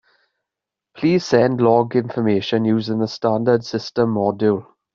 Please send log information using the standard system module.